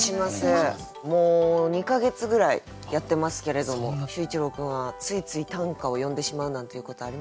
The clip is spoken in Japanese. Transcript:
もう２か月ぐらいやってますけれども秀一郎君はついつい短歌を詠んでしまうなんていうことありますか？